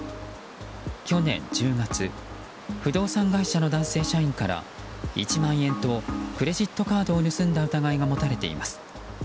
去年１０月不動産会社の男性社員から１万円とクレジットカードを盗んだ疑いが持たれています。